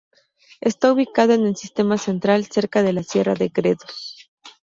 Está ubicado en el Sistema Central, cerca de la Sierra de Gredos.